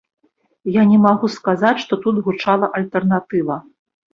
Я не магу сказаць, што тут гучала альтэрнатыва.